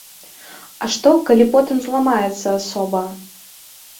А што калі потым зламаецца асоба?